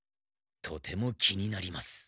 とても気になります。